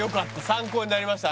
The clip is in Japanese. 参考になりました。